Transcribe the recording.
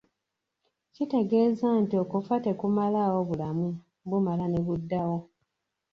"Kitegeeza nti okufa tekumalaawo bulamu, bumala ne buddawo."